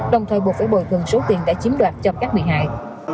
đồng thời buộc phải bồi gần số tiền đã chiếm đoạt cho các vị hại